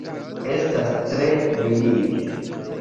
Estas tre mirige!